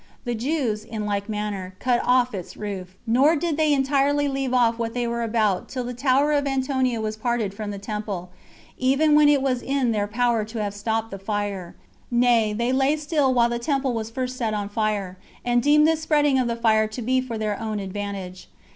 The Jews, in like manner, cut off its roof; nor did they entirely leave off what they were about till the tower of Antonia was parted from the temple, even when it was in their power to have stopped the fire; nay, they lay still while the temple was first set on fire, and deemed this spreading of the fire to be for their own advantage.